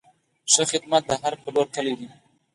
ښه خدمت د هر پلور کلي ده.